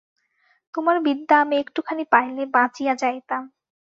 তোমার বিদ্যা আমি একটুখানি পাইলে বাঁচিয়া যাইতাম।